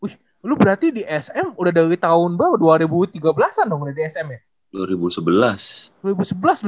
wih lu berarti di smp udah dari tahun dua ribu tiga belas an dong udah di smp ya